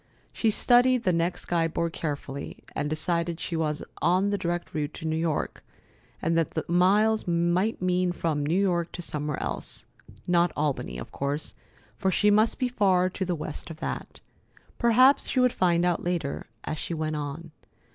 She studied the next guide board carefully, and decided that she was on the direct route to New York, and that the miles might mean from New York to somewhere else. Not Albany, of course, for she must be far to the west of that. Perhaps she would find out later, as she went on.